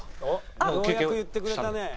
「ようやく言ってくれたね」。